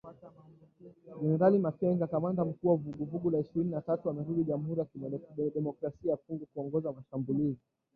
Gen. Makenga, kamanda mkuu wa Vuguvugu la Ishirini na tatu amerudi Jamuhuri ya Kidemokrasia ya Kongo kuongoza mashambulizi